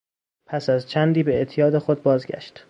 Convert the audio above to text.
پس از چندی به اعتیاد خود بازگشت.